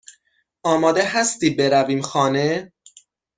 آماده هستی برویم خانه؟